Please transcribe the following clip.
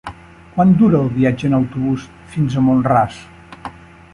Quant dura el viatge en autobús fins a Mont-ras?